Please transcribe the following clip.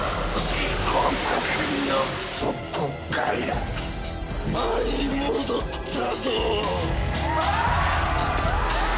地獄の底から舞い戻ったぞ！